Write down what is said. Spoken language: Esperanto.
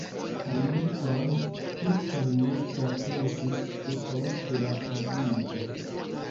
Kaj multon, multon mi trapensis de post la tagiĝo!